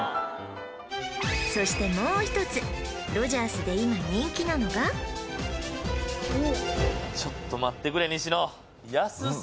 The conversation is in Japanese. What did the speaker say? そしてもう一つロヂャースで今人気なのがちょっと待ってくれ西野